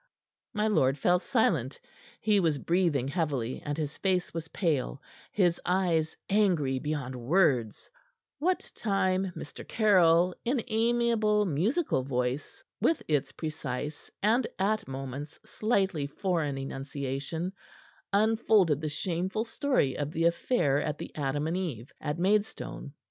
My lord fell silent. He was breathing heavily, and his face was pale, his eyes angry beyond words, what time Mr. Caryll, in amiable, musical voice, with its precise and at moments slightly foreign enunciation, unfolded the shameful story of the affair at the "Adam and Eve," at Maidstone.